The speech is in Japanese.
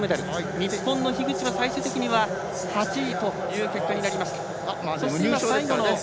日本の樋口は最終的には８位という結果になりました。